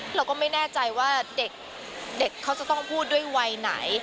เราก็ไม่แน่ใจว่าเด็กเขาจะต้องพูดด้วยวัยไหน